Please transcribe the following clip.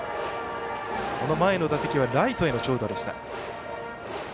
この前の打席はライトへの長打。